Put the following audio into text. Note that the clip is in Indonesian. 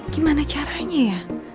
gimana caranya ya